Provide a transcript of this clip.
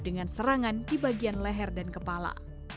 dengan serangan di bagian leher dan kepala